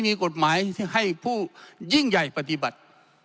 มีกฎหมายให้ผู้ยิ่งใหญ่ปฏิบัติ